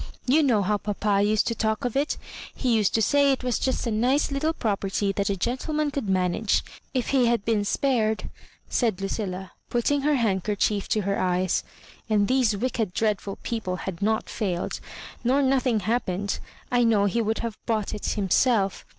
You know how papa used to talk of it. He used to say it was just a nice Httle property that a gen tleman could manage. If he had been spared," said Lucilla, putting her handkerchief to her eyes, "and these wicked dreadful people had not failed, nor nothing happened, I know he would have bought it himself.